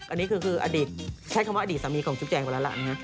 อันนี้คืออดีตใช้คำว่าอดีตสามีของจุ๊บแจงไปแล้วล่ะนะฮะ